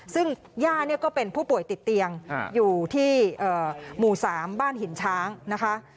ซึ่งย่าเนี่ยก็เป็นผู้ป่วยติดเตียงอยู่ที่หมู่๓บ้านหินช้างนะคะ